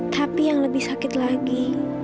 tapi yang lebih sakit lagi